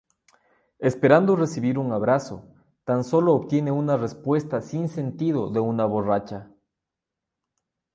Esperando recibir un abrazo, tan solo obtiene una respuesta sin sentido de una borracha.